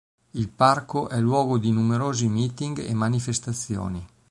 Il parco è luogo di numerosi meeting e manifestazioni.